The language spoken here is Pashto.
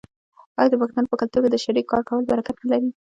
آیا د پښتنو په کلتور کې د شریک کار کول برکت نلري؟